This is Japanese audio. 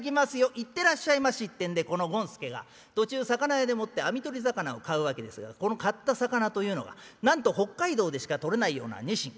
「行ってらっしゃいまし」ってんでこの権助が途中魚屋でもって網取り魚を買うわけですがこの買った魚というのがなんと北海道でしか取れないようなニシン。